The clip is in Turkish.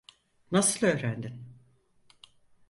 Nasıl öğrendin?